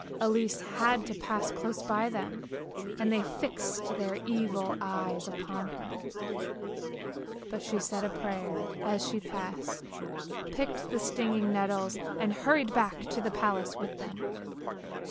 Elise had to pass close by them, and they fixed their evil eyes upon her, but she said a prayer as she passed, picked the stinging nettles and hurried back to the palace with them.